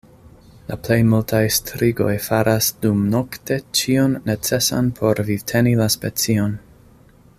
La plej multaj strigoj faras dumnokte ĉion necesan por vivteni la specion.